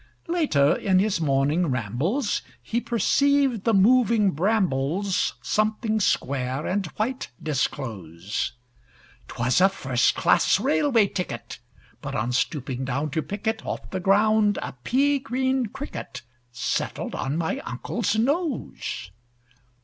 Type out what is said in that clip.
Later, in his morning rambles He perceived the moving brambles Something square and white disclose; 'Twas a First class Railway Ticket; But, on stooping down to pick it Off the ground a pea green Cricket Settled on my uncle's Nose.